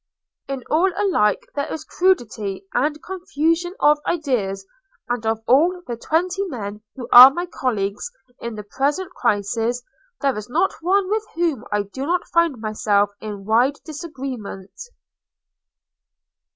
In all alike there is crudity and confusion of ideas, and of all the twenty men who are my colleagues in the present crisis, there is not one with whom I do not find myself in wide disagreement."